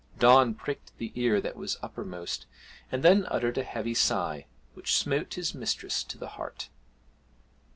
Don pricked the ear that was uppermost, and then uttered a heavy sigh, which smote his mistress to the heart.